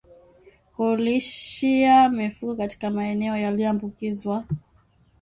Kulishia mifugo katika maeneo yaliyoambukizwa